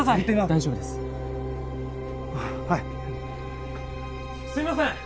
大丈夫ですああはいすいません！